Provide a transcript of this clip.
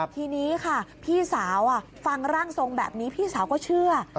ทีนี้ค่ะพี่สาวฟังร่างทรงแบบนี้พี่สาวก็เชื่อ